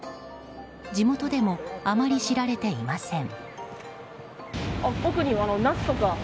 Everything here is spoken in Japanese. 地元でもあまり知られていません。